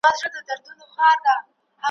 د ښکاري د تور په منځ کي کښېنستلې `